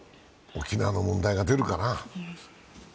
沖縄の問題が出るかな。